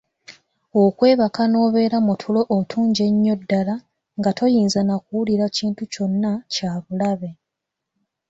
Okwebaka n’obeera mu tulo otungi ennyo ddala nga toyinza na kuwulira kintu kyonna kyabulabe.